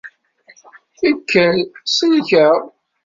Kker, sellek-aɣ!